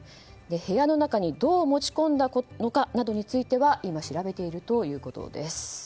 部屋の中にどう持ち込んだかなどについては今、調べているということです。